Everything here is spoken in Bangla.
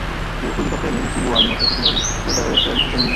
তিনি কলিকাতায় মুন্সী বু আলী মাদ্রাসায় প্রধান মোদাররেছ হিসাবে যোগদান করেন।